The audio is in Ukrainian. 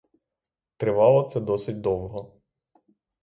Тривало це досить довго.